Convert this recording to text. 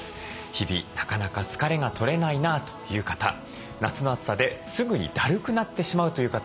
日々なかなか疲れが取れないなという方夏の暑さですぐにだるくなってしまうという方多いのではないでしょうか？